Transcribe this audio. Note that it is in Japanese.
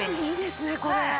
いいですねこれ。